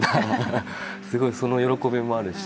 すごいその喜びもあるし。